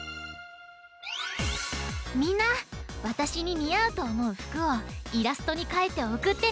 みんなわたしににあうとおもうふくをイラストにかいておくってね！